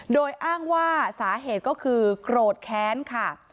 โดยอ้างว่าสาเหตุก็คือโกรธแค้นค่ะ